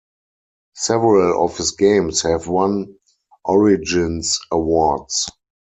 Several of his games have won Origins Awards.